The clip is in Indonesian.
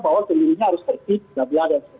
bahwa kelilingnya harus tertib